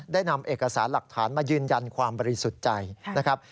ได้นำเอกสารหลักฐานมายืนยันความบริสุทธิ์ใจนะครับ